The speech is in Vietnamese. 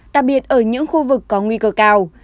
đặc biệt ở những khu vực có nguy cơ cao